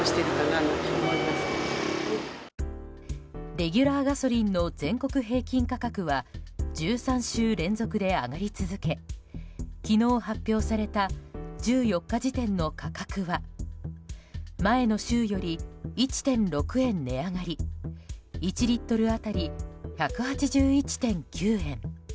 レギュラーガソリンの全国平均価格は１３週連続で上がり続け昨日、発表された１４日時点の価格は前の週より１．６円値上がり１リットル当たり１８１．９円。